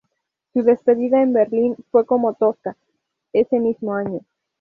Su despedida en Berlin fue como "Tosca", ese mismo año.